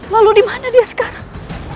lalu dimana dia sekarang